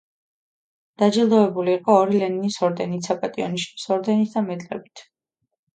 დაჯილდოვებული იყო ორი ლენინის ორდენით, „საპატიო ნიშნის“ ორდენით და მედლებით.